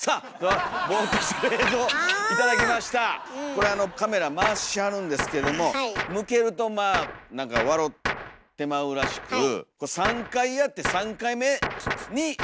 これあのカメラ回しはるんですけども向けるとまあ何か笑てまうらしくこう３回やっていや。